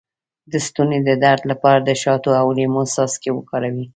د ستوني د درد لپاره د شاتو او لیمو څاڅکي وکاروئ